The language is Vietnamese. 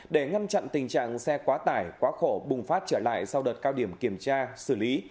để ngăn chặn tình trạng xe quá tải quá khổ bùng phát trở lại sau đợt cao điểm kiểm tra xử lý